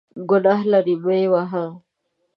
ګناه لري ، مه یې وهه !